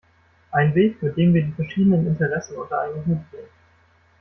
Ein Weg, mit dem wir die verschiedenen Interessen unter einen Hut bringen.